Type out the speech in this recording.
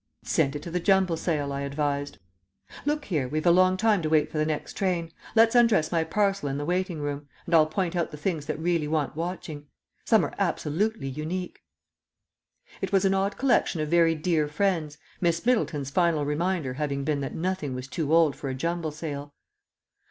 "Send it to the jumble sale," I advised. "Look here we've a long time to wait for the next train; let's undress my parcel in the waiting room, and I'll point out the things that really want watching. Some are absolutely unique." It was an odd collection of very dear friends, Miss Middleton's final reminder having been that nothing was too old for a jumble sale.